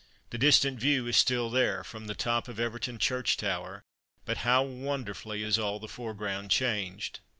The distant view is still there, from the top of Everton church tower, but how wonderfully is all the foreground changed.